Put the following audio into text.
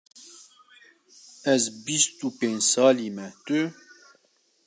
Ez bîst û pênc salî me, tu?